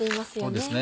そうですね。